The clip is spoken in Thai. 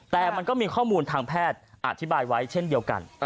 แต่มันก็มีข้อมูลทางแพทย์อธิบายไว้เช่นเดียวกัน